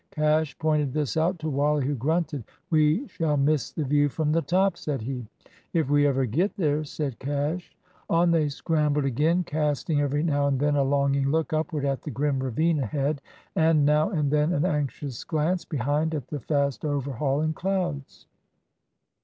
Cash pointed this out to Wally, who grunted. "We shall miss the view from the top," said he. "If we ever get there," said Cash. On they scrambled again, casting every now and then a longing look upward at the grim ravine head, and now and then an anxious glance behind at the fast overhauling clouds.